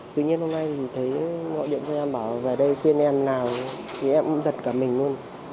tự nhiên hôm nay thì thấy mọi điện doanh em bảo về đây khuyên em nào thì em cũng giật cả mình luôn